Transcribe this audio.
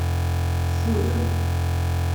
Teffudem.